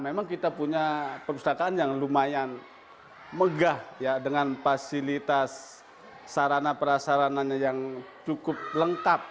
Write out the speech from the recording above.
memang kita punya perpustakaan yang lumayan megah dengan fasilitas sarana prasarananya yang cukup lengkap